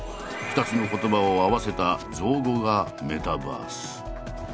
２つの言葉を合わせた造語が「メタバース」。